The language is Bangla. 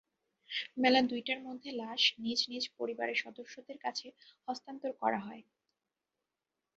বেলা দুইটার মধ্যে লাশ নিজ নিজ পরিবারের সদস্যদের কাছে হস্তান্তর করা হয়।